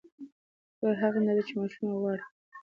تر هغې اندازې چې ماشوم يې غواړي